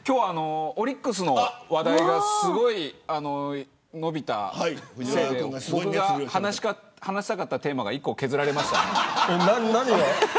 オリックスの話題がすごく延びたせいで僕が話したかったテーマが１個削られました。